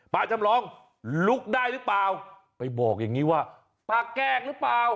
จำลองลุกได้หรือเปล่าไปบอกอย่างนี้ว่าป้าแกล้งหรือเปล่า